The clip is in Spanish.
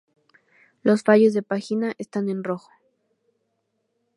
Los fallos de página están en rojo.